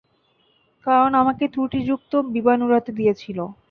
কারণ আমাকে ত্রুটিযুক্ত বিমান উড়াতে দিয়েছিল।